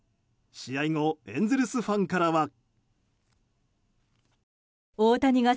試合後エンゼルスファンからは。